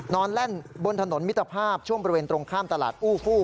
แล่นบนถนนมิตรภาพช่วงบริเวณตรงข้ามตลาดอู้ฟู้